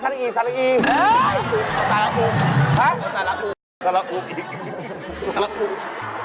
สละธุสละอูกอย่างนี้